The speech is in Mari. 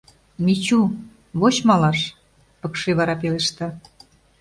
— Мичу... воч малаш, — пыкше вара пелешта.